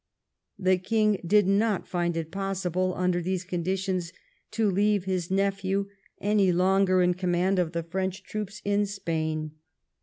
The King did not find it possible under these condi tions to leave his nephew any longer in command of the French troops in Spain.